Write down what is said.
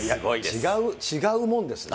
違うもんですか。